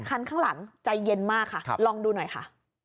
คันข้างหลังใจเย็นมากค่ะลองดูหน่อยค่ะ